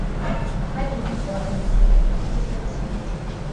Hadi mwaka wa elfu moja mia tisa tisini na tano